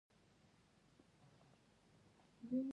خاوره د افغانستان د دوامداره پرمختګ لپاره ډېر اړین دي.